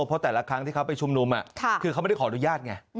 เพราะแต่ละครั้งที่เขาไปชุมนุมคือเขาไม่ได้ขออนุญาตไง